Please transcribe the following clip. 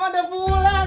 mama udah pulang